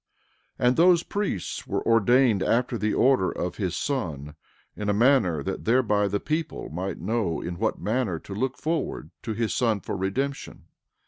13:2 And those priests were ordained after the order of his Son, in a manner that thereby the people might know in what manner to look forward to his Son for redemption.